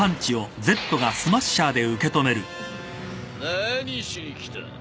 何しに来た？